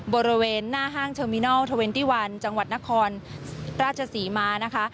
บริเวณหน้าห้างเทอร์มินัล๒๑จังหวัดนครราชสีมานะคะ